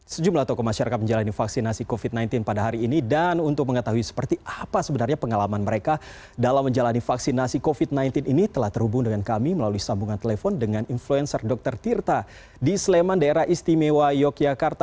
sejumlah tokoh masyarakat menjalani vaksinasi covid sembilan belas pada hari ini dan untuk mengetahui seperti apa sebenarnya pengalaman mereka dalam menjalani vaksinasi covid sembilan belas ini telah terhubung dengan kami melalui sambungan telepon dengan influencer dr tirta di sleman daerah istimewa yogyakarta